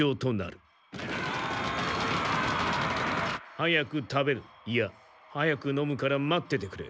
早く食べるいや早く飲むから待っててくれ。